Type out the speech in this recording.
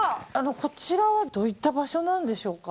こちらはどういった場所なんでしょうか？